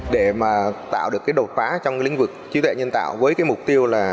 để mà tạo được cái đột phá trong lĩnh vực trí tuệ nhân tạo với cái mục tiêu là